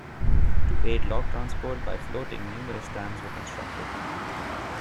To aid log transport by floating, numerous dams were constructed.